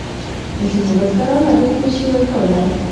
ځینې بزګران لګښت نه شي ورکولای.